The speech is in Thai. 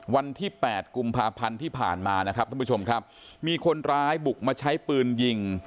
วันที่แปดกุมภาพันธ์ที่ผ่านมานะครับท่านผู้ชมครับมีคนร้ายบุกมาใช้ปืนยิง